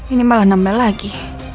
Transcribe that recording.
ini malah nambah lagi